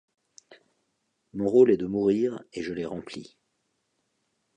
Mon rôle est de mourir et je l’ai rempli.